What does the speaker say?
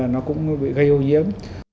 nó cũng gây ô nhiễm